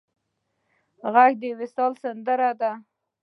غږ د وصل سندره ده